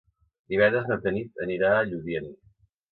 Divendres na Tanit anirà a Lludient.